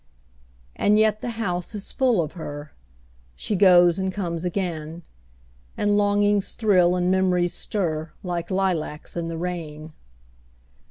And yet the house is full of her; She goes and comes again; And longings thrill, and memories stir, Like lilacs in the rain.